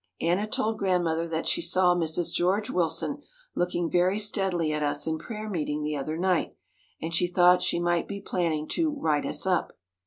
Anna told Grandmother that she saw Mrs. George Willson looking very steadily at us in prayer meeting the other night and she thought she might be planning to "write us up."